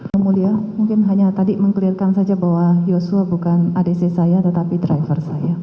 yang mulia mungkin hanya tadi meng clearkan saja bahwa yosua bukan adc saya tetapi driver saya